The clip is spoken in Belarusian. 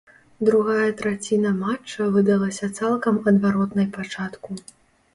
Другая траціна матча выдалася цалкам адваротнай пачатку.